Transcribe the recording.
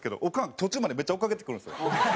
途中までめっちゃ追っかけてくるんですよ。